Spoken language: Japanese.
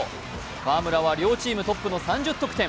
河村は両チームトップの３０得点。